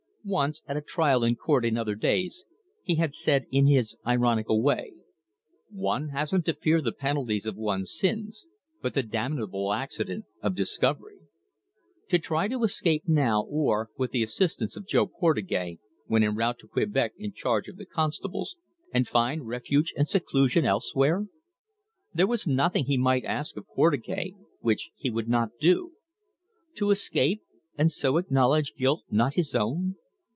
Once, at a trial in court in other days, he had said in his ironical way: "One hasn't to fear the penalties of one's sins, but the damnable accident of discovery." To try to escape now, or, with the assistance of Jo Portugais, when en route to Quebec in charge of the constables, and find refuge and seclusion elsewhere? There was nothing he might ask of Portugais which he would not do. To escape and so acknowledge a guilt not his own!